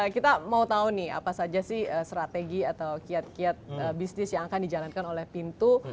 kita mau tahu nih apa saja sih strategi atau kiat kiat bisnis yang akan dijalankan oleh pintu